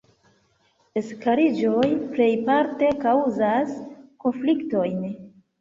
Eskaliĝoj plejparte kaŭzas konfliktojn.